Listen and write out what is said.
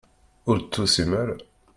Ur d-tusim ara.